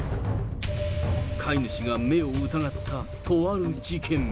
飼い主が目を疑ったとある事件。